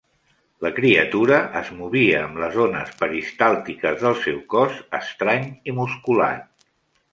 La criatura es movia amb les ones peristàltiques del seu cos estrany i musculat.